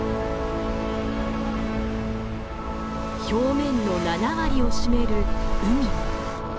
表面の７割を占める海。